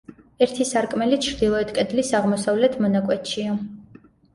ერთი სარკმელი ჩრდილოეთ კედლის აღმოსავლეთ მონაკვეთშია.